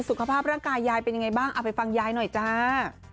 สุขภาพร่างกายยายเป็นยังไงบ้างเอาไปฟังยายหน่อยจ้า